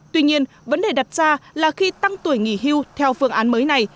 tuy nhiên vấn đề đặt ra là khi tăng tuổi nghỉ hưu theo phương án mới này